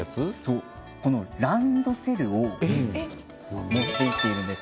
ランドセルを持って行っているんです。